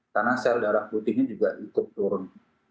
karena sel darah putihnya juga ikut turun